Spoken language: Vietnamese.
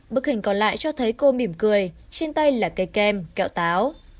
bức hình còn lại cho thấy cô mỉm cười trên tay là cây kem kẹo táo